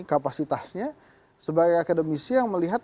kapasitasnya sebagai akademisi yang melihat